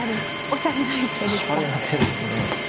おしゃれな手ですね。